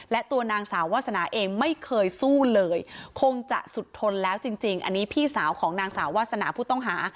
และตัวนางสาววาสนาเองไม่เคยสู้เลยคงจะสุดทนแล้วจริงอันนี้พี่สาวของนางสาววาสนาผู้ต้องหา